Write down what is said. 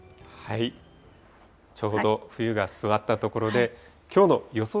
ちょうど冬が座ったところで、きょうの予想